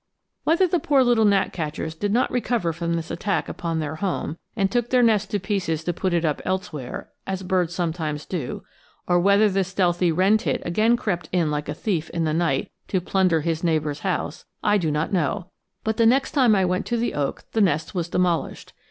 Whether the poor little gnatcatchers did not recover from this attack upon their home, and took their nest to pieces to put it up elsewhere, as birds sometimes do; or whether the stealthy wren tit again crept in like a thief in the night to plunder his neighbor's house, I do not know; but the next time I went to the oak the nest was demolished.